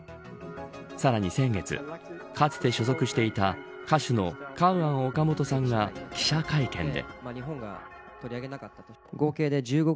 さらに先月かつて所属していた歌手のカウアン・オカモトさんが記者会見で。